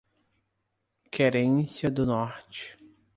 Querência do Norte